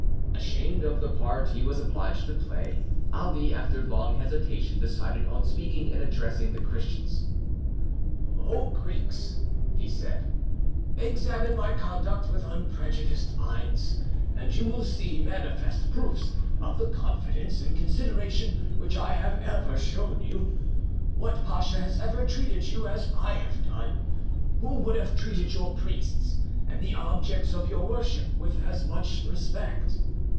Ashamed of the part he was obliged to play, Ali, after long hesitation, decided on speaking, and, addressing the Christians, "O Greeks!" he said, "examine my conduct with unprejudiced minds, and you will see manifest proofs of the confidence and consideration which I have ever shown you. What pacha has ever treated you as I have done? Who would have treated your priests and the objects of your worship with as much respect?